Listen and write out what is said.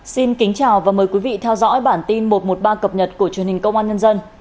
xin kính chào và mời quý vị theo dõi bản tin một trăm một mươi ba cập nhật của truyền hình công an nhân dân